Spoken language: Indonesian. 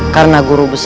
karena guru besar